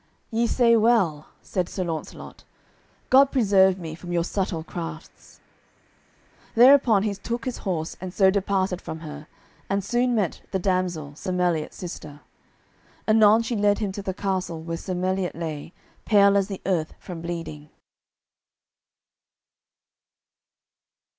"Ye say well," said Sir Launcelot. "God preserve me from your subtile crafts." Thereupon he took his horse and so departed from her, and soon met the damsel, Sir Meliot's sister. Anon she led him to the castle where Sir Meliot lay, pale as the earth from bleeding.